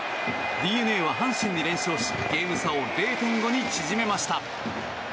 ＤｅＮＡは阪神に連勝しゲーム差を０．５に縮めました。